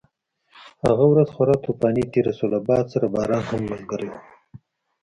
هغه ورځ خورا طوفاني تېره شوه، له باد سره باران هم ملګری و.